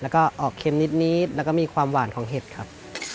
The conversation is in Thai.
แล้วก็ออกเค็มนิดแล้วก็มีความหวานของเห็ดครับ